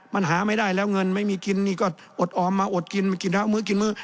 มันหาไม่ได้แล้วเงินไม่มีกินนี่ก็อดออมมาอดกินมากินเท้ามื้อกินมื้อ